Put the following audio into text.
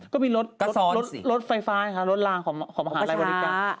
ก็มีรถไฟฟ้ารถลางของอาหารรายบริการ